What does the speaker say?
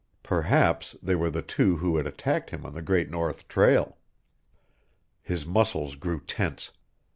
Perhaps they were the two who had attacked him on the Great North Trail. His muscles grew tense.